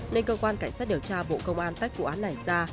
nên cơ quan cảnh sát điều tra bộ công an tách vụ án này ra